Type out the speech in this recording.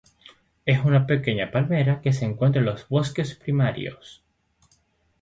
Es una pequeña palmera que se encuentra en los bosques primarios.